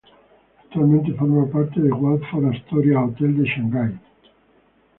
Actualmente forma parte del Waldorf-Astoria Hotel de Shanghai.